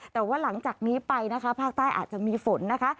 แต่ว่าหลังจากนี้ไปนะคะภาคใต้อาจจะมีฝนนะคะ